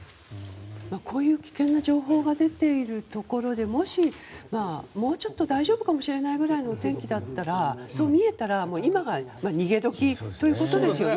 こういう危険な情報が出ているところでもしもうちょっと大丈夫かもしれないぐらいの天気だったら、そう見えたら今が逃げ時ということですよね。